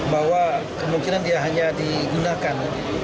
bahwa kemungkinan dia hanya digunakan